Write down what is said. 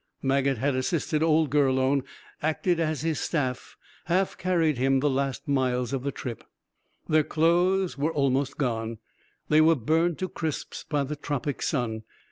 Maget had assisted old Gurlone, acted as his staff, half carried him the last miles of the trip. Their clothes were almost gone, they were burned to crisps by the tropic sun.